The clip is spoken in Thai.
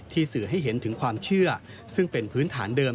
สื่อให้เห็นถึงความเชื่อซึ่งเป็นพื้นฐานเดิม